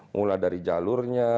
mulai dari jalurnya